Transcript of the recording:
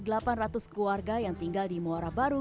keluarga yang tinggal di muara baru